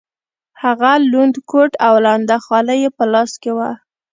هغه لوند کوټ او لنده خولۍ یې په لاس کې وه.